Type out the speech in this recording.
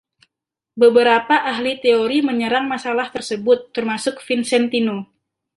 Beberapa ahli teori menyerang masalah tersebut, termasuk Vicentino.